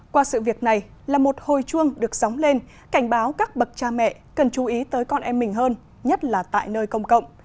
qua sự việc này là một hồi chuông được sóng lên cảnh báo các bậc cha mẹ cần chú ý tới con em mình hơn nhất là tại nơi công cộng